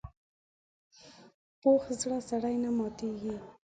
پوخ زړه سړي نه ماتېږي